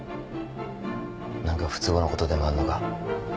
何か不都合なことでもあんのか？